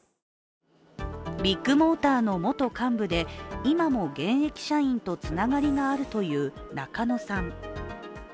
ビッグモーターの元幹部で、今も現役社員とつながりがあるという中野さん。